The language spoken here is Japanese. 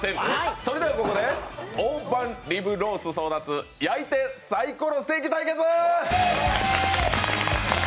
それではここで「大判リブロース争奪！焼いてサイコロステーキ対決！」